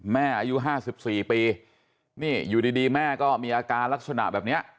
แม่อายุ๕๔ปีนี่อยู่ดีแม่ก็มีอาการลักษณะแบบนี้